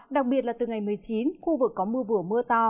đặc biệt là từ ngày một mươi chín khu vực có mưa vừa mưa to